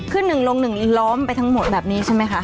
ขึ้นหนึ่งลงหนึ่งล้อมไปทั้งหมดแบบนี้ใช่ไหมคะ